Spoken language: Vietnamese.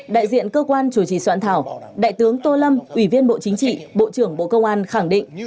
đại diện cơ quan chủ trì soạn thảo đại tướng tô lâm ủy viên bộ chính trị bộ trưởng bộ công an khẳng định